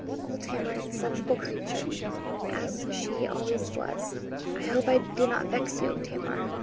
'Old Tamar is a sensible creature, as she always was. I hope I did not vex you, Tamar.